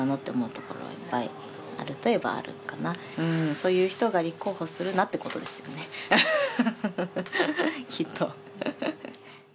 そういう人が立候補するなっていうことですよね、きっと。